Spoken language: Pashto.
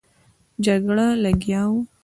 جګړه لګیا وو.